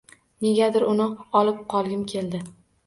Negadir, uni olib qolgim keldi